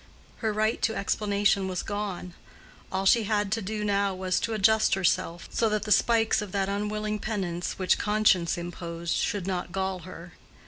Her right to explanation was gone. All she had to do now was to adjust herself, so that the spikes of that unwilling penance which conscience imposed should not gall her.